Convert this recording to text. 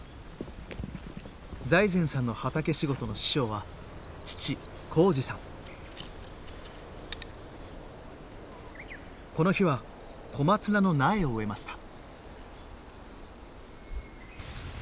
財前さんの畑仕事の師匠はこの日は小松菜の苗を植えました。